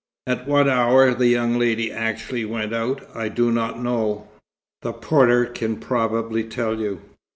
At what hour the young lady actually went out, I do not know. The porter can probably tell you."